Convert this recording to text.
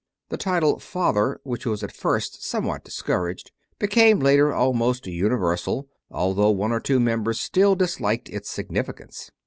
The title "Father," which was at first somewhat discouraged, became later almost universal, although one or two members still disliked its significance.